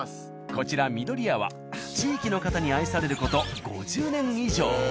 こちら「みどりや」は地域の方に愛される事５０年以上。